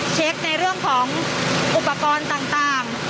เช็คในเรื่องของอุปกรณ์ต่าง